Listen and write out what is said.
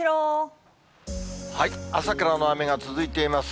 朝からの雨が続いています。